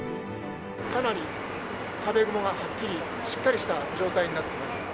かなり壁雲がはっきり、しっかりした状態になっています。